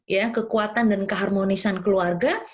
ya kekuatan dan keharmonisan keluarga